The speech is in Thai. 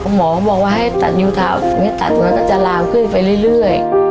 หมอบอกว่าให้ตัดยูถับไม่ให้ตัดแล้วจะลามขึ้นไปเรื่อย